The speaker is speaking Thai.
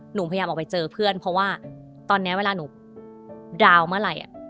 หนูพยายามออกไปเจอเพื่อนเพราะว่าตอนนี้เวลาหนูดาวน์เมื่อไหร่